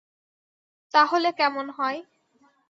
তাহলে কেমন হয়?